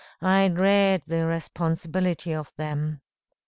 I dread the responsibility of them.